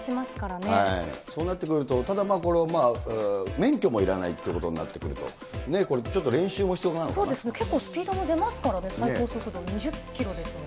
そうなってくると、ただ、まあ、これは免許もいらないっていうことになってくると、これちそうですね、結構スピードも出ますからね、最高速度２０キロですもんね。